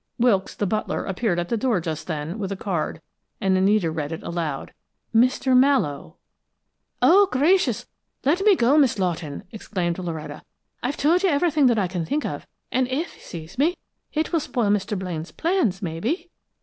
Wilkes, the butler, appeared at the door just then, with a card, and Anita read it aloud. "Mr. Mallowe." "Oh, gracious, let me go, Miss Lawton!" exclaimed Loretta. "I've told you everything that I can think of, and if he sees me, it will spoil Mr. Blaine's plans, maybe?"